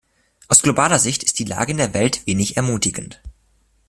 Aus globaler Sicht ist die Lage in der Welt wenig ermutigend.